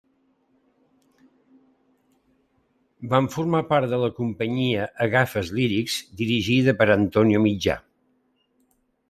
Van formar part de la companyia Agafes Lírics dirigida per Antonio Mitjà.